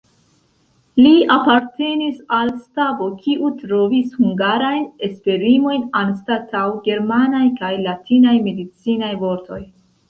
Li apartenis al stabo, kiu trovis hungarajn esprimojn anstataŭ germanaj kaj latinaj medicinaj vortoj.